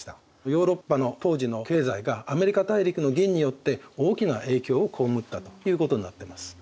ヨーロッパの当時の経済がアメリカ大陸の銀によって大きな影響を被ったということになってます。